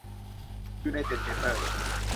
ยูไนเต็ด เปเปอร์